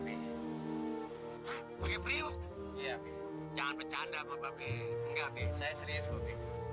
hai pakai prio ya jangan bercanda bapak bikin enggak bisa serius